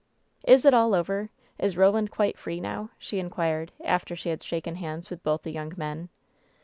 "Is it all over ? Is Roland quite free now ?" she in quired, after she had shaken hands with both the young men.